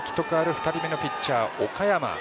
２人目のピッチャー・岡山。